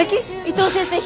伊藤先生